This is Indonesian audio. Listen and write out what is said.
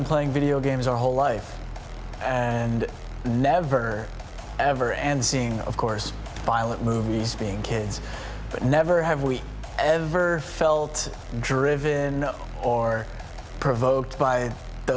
tetapi pembunuh terlibat dan mungkin mereka harus menemukan sistem penembatan untuk itu